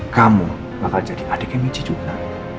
kamu bakal jadi adiknya miji juga